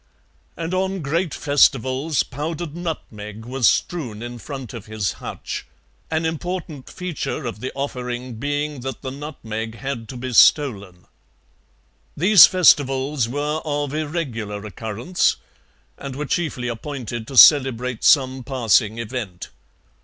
And on great festivals powdered nutmeg was strewn in front of his hutch, an important feature of the offering being that the nutmeg had to be stolen. These festivals were of irregular occurrence, and were chiefly appointed to celebrate some passing event.